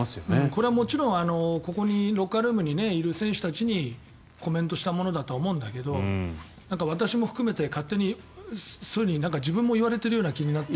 これはもちろんロッカールームにいる選手たちにコメントしたものだとは思うんだけど私も含めて勝手にそういうふうに自分も言われている気になって。